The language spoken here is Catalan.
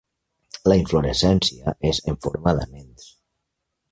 La inflorescència és en forma d'aments.